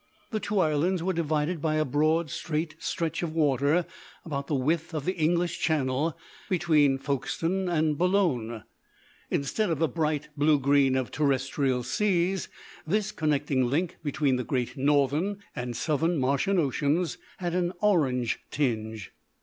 The two islands were divided by a broad, straight stretch of water about the width of the English Channel between Folkestone and Boulogne. Instead of the bright blue green of terrestrial seas, this connecting link between the great Northern and Southern Martian oceans had an orange tinge.